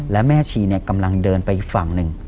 และแม่ชีกำลังเดินไปอีกฝั่งหนึ่ง